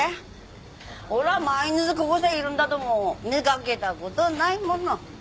おら毎日ここさいるんだども見かけた事ないもの。